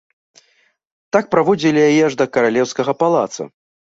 Так праводзілі яе аж да каралеўскага палаца.